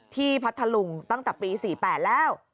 พัทธลุงตั้งแต่ปี๔๘แล้ว